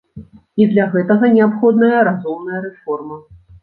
І для гэтага неабходная разумная рэформа.